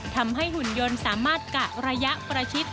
หุ่นยนต์สามารถกะระยะประชิด